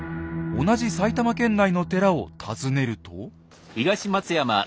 同じ埼玉県内の寺を訪ねると。